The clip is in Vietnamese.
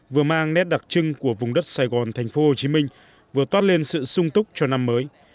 vừa mang nét đặc trưng của vùng đất sài gòn thành phố hồ chí minh vừa toát lên sự sung túc cho năm mới